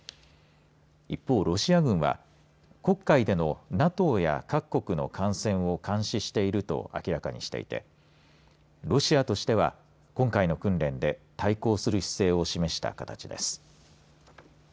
一方、ロシア軍は黒海でのＮＡＴＯや各国の艦船を監視していると明らかにしていてロシアとしては今回の訓練で対抗する姿勢を示した形です。